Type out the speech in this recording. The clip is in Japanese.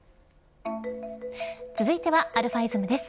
続いては、αｉｓｍです。